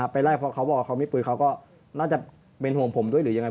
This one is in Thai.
ไปไล่เพราะเขาบอกว่าเขามีปืนเขาก็น่าจะเป็นห่วงผมด้วยหรือยังไง